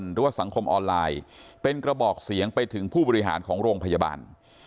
หรือว่าสังคมออนไลน์เป็นกระบอกเสียงไปถึงผู้บริหารของโรงพยาบาล